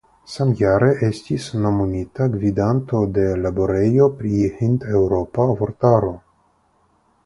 Samjare estis nomumita gvidanto de Laborejo pri Hindeŭropa Vortaro.